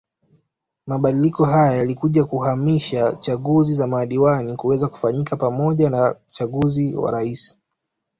Mabadiliko haya yalikuja kuhamisha chaguzi za madiwani kuweza kufanyika pamoja na uchaguzi wa Rais